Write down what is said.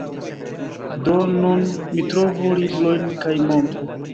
Do, nun mi trovu librojn kaj montru.